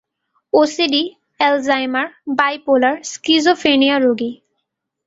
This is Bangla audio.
ওসিডি, অ্যালজাইমার, বাইপোলার, স্কিজোফার্নিয়া রোগী।